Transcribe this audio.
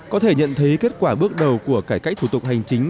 có thể nhận thấy kết quả bước đầu của cải cách thủ tục hành chính